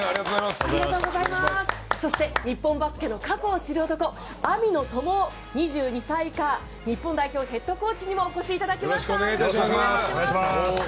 日本バスケの過去を知る男網野友雄、２２歳以下日本代表ヘッドコーチにもお越しいただきました！